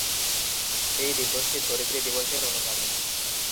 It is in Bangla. এই দিবসটি ধরিত্রী দিবসের অনুগামী।